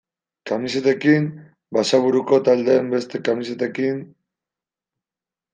Kamisetekin, Basaburuko taldeen beste kamisetekin...